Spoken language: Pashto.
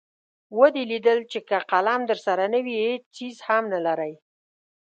ودې لیدل چې که قلم درسره نه وي هېڅ څیز هم نلرئ.